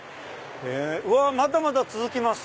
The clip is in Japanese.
うわっまだまだ続きます！